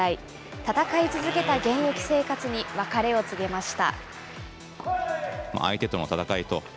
戦い続けた現役生活に別れを告げました。